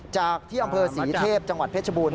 จากที่อำเภอศรีเทพจังหวัดเพชรบูรณ